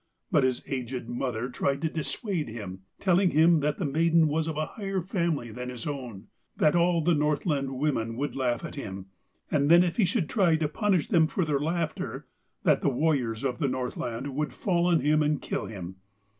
But his aged mother tried to dissuade him, telling him that the maiden was of a higher family than his own, that all the Northland women would laugh at him, and then if he should try to punish them for their laughter, that the warriors of the Northland would fall on him and kill him.